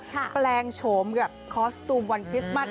พล่างโฉมกลับคอร์สตูมวันคริสตมัส